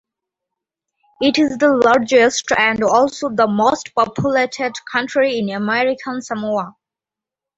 It is the largest and also the most populated county in American Samoa.